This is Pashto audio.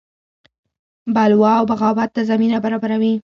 بلوا او بغاوت ته زمینه برابروي.